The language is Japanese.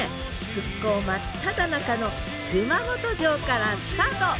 復興真っただ中の熊本城からスタート！